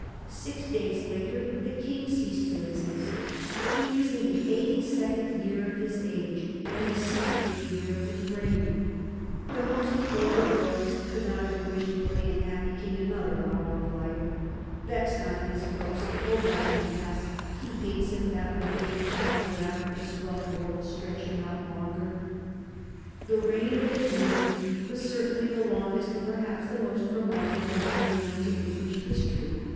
Six days later the King ceased to exist. He was in the eighty second year of his age and the sixtieth year of his reign. The most devoted loyalist could not have wished for the unhappy King another hour of life. "Vex not his ghost O! Let him pass; he hates him that would upon the rack of this rough world stretch him out longer." [Sidenote: 1760 1820 Progress under George the Third] The reign that had ended was certainly the longest and perhaps the most remarkable then known to English history.